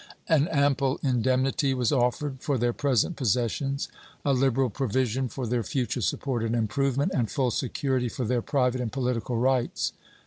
An ample indemnity was offered for their present possessions, a liberal provision for their future support and improvement, and full security for their private and political rights.